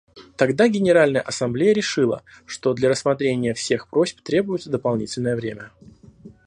Тогда Генеральная Ассамблея решила, что для рассмотрения всех просьб требуется дополнительное время.